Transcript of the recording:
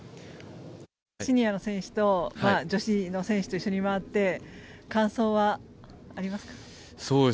シニアの選手と女子の選手と一緒に回って感想はありますか。